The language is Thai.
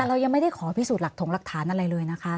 เรายังไม่ได้ขอพิสูจน์หลักถงหลักฐานอะไรเลยนะคะ